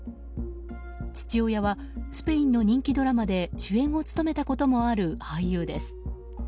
父親はスペインの人気ドラマで主演を務めたこともある俳優です。